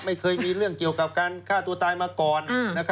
ไม่เคยมีเรื่องเกี่ยวกับการฆ่าตัวตายมาก่อน